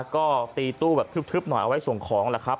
ก็ตีตู้แบบทึบหน่อยเอาไว้ส่งของแหละครับ